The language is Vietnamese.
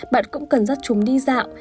bạn cũng cần dắt chúng đi dạo